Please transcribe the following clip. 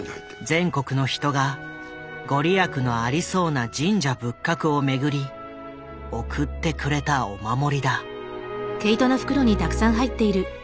全国の人が御利益のありそうな神社仏閣を巡り送ってくれたお守りだ。